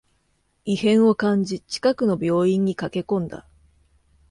異変を感じ、近くの病院に駆けこんだ